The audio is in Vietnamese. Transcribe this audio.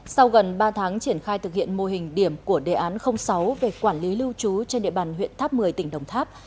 sau gần ba tháng triển khai thực hiện mô hình điểm của đề án sáu về quản lý lưu trú trên địa bàn huyện tháp một mươi tỉnh đồng tháp